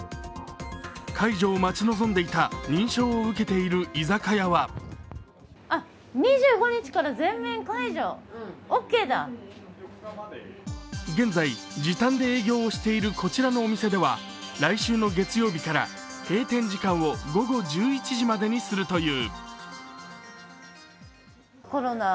解除を待ち望んでいた、認証を受けている居酒屋は現在、時短で営業をしているこちらのお店では来週の月曜日から閉店時間を午後１１時までにするという。